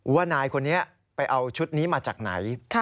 ว่านายคนนี้ไปเอาชุดนี้มาจากไหน